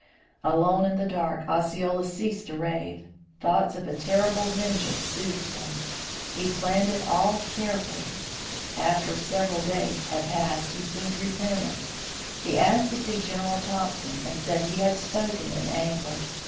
Alone in the dark, Osceola ceased to rave. Thoughts of a terrible vengeance soothed him. He planned it all carefully. After several days had passed he seemed repentant. He asked to see General Thompson and said he had spoken in anger.